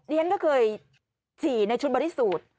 เรียนก็เคยฉี่ในชุดบริสูจน์